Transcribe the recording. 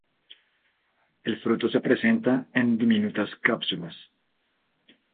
El fruto se presenta en diminutas cápsulas.